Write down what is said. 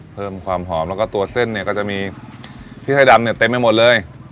เพิ่มความหอมแล้วก็ตัวเส้นเนี่ยก็จะมีพริกไทยดำเนี่ยเต็มไปหมดเลย